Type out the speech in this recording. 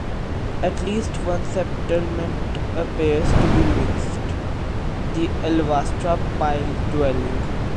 At least one settlement appears to be mixed, the Alvastra pile-dwelling.